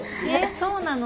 そうなの？